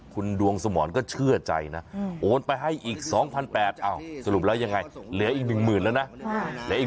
คุณดวงสมรก็เชื่อใจนะโอนไปให้อีก๒๘๐๐สรุปแล้วยังไงเหลืออีก๑๐๐๐แล้วนะ